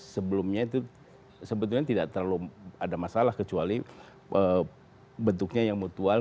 sebelumnya itu sebetulnya tidak terlalu ada masalah kecuali bentuknya yang mutual